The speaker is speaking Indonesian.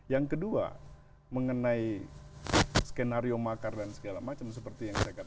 yang kedua mengenai skenario makar dan segala macam seperti yang saya katakan